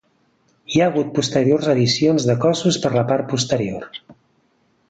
Hi ha hagut posteriors addicions de cossos per la part posterior.